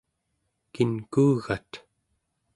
kinkuugat?